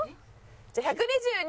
じゃあ１２２！